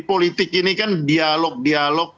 politik ini kan dialog dialog